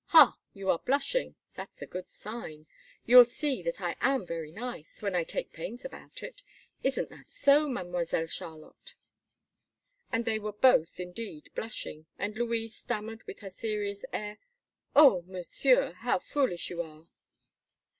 Ha! you are blushing that's a good sign. You'll see that I am very nice, when I take pains about it. Isn't that so, Mademoiselle Charlotte?" And they were both, indeed, blushing, and Louise stammered with her serious air: "Oh! Monsieur, how foolish you are!"